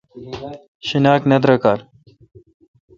شیناک نہ درکالہ